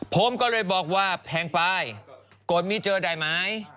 ผมก็เลยบอกว่าแพงไปกดไม่เจอได้ไหม